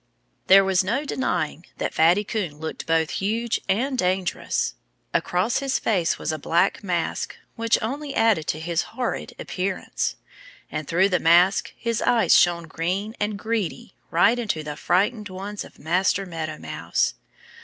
There was no denying that Fatty Coon looked both huge and dangerous. Across his face was a black mask which only added to his horrid appearance. And through the mask his eyes shone green and greedy right into the frightened ones of Master Meadow Mouse.